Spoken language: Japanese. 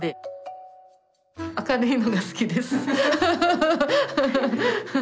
明るいのが好きです。